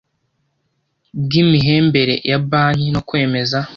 bw imihembere ya banki no kwemeza